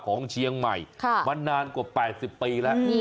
ของเชียงใหม่วันนานกว่า๘๐ปีละ